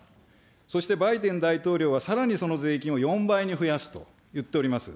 そして、バイデン大統領はさらにその税金を４倍に増やすと言っております。